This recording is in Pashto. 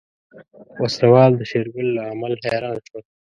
وسله وال د شېرګل له عمل حيران شول.